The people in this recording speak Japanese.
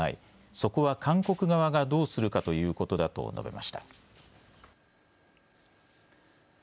そこは韓国側がどうするかということだと述べました。